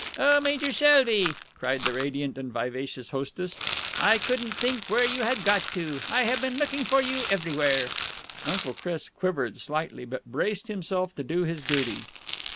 "Oh, Major Selby!" cried the radiant and vivacious hostess. "I couldn't think where you had got to. I have been looking for you everywhere." Uncle Chris quivered slightly, but braced himself to do his duty.